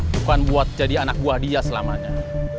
bukan buat jadi anak buah dia selamanya